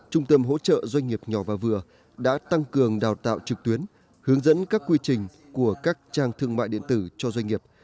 trung tâm hỗ trợ doanh nghiệp nhỏ và vừa đã tăng cường đào tạo trực tuyến hướng dẫn các quy trình của các trang thương mại điện tử cho doanh nghiệp